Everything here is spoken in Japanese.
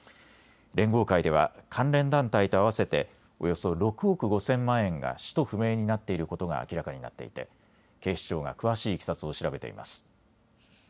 連合会では関連団体と合わせておよそ６億５０００万円が使途不明になっていることが明らかになっていて警視庁が詳しいいきさつを調べています。